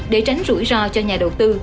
để tránh rủi ro cho nhà đầu tư